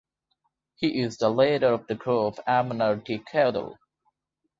He is the leader of the group Amanar de Kidal.